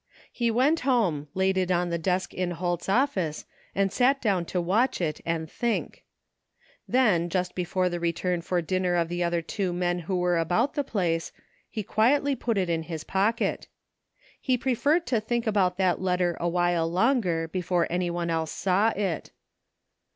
He went home, laid it on the desk in Holt's office and sat down to watch it and think. Then just 174 THE FINDING OF JASPER HOLT before the return for dinner of the other two men who were about the place he quietly put it in his pocket He preferred to think about that letter awhile longer before any one else saw it.